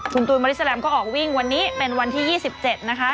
คุณตูนบริสแลมก็ออกวิ่งวันนี้เป็นวันที่๒๗นะคะ